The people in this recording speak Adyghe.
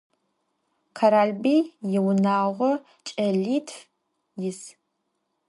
Kheralbiy yiunağo ç'elitf yis.